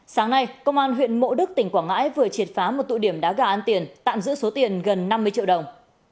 sáng nay công an huyện mộ đức tỉnh quảng ngãi vừa triệt phá một tụ điểm đá gà ăn tiền tạm giữ số tiền gần năm mươi triệu đồng